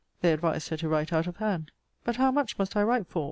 They advised her to write out of hand. But how much must I write for?